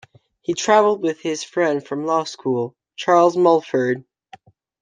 He traveled with his friend from law school, Charles Mulford.